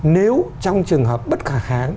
nếu trong trường hợp bất khả kháng